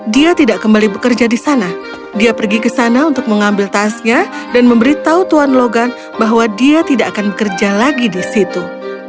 dia tidak kembali bekerja di sana dia pergi ke sana untuk mengambil tasnya dan memberitahu tuan logan bahwa dia tidak akan bekerja lagi di situ